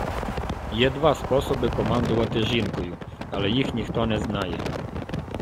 Є два способи командувати жінкою, але їх ніхто не знає